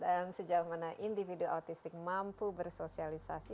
dan sejauh mana individu otistik mampu bersosialisasi